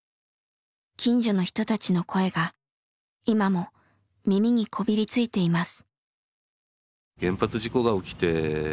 近所の人たちの声が今も耳にこびりついています。